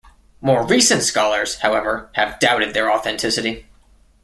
More recent scholars however have doubted their authenticity.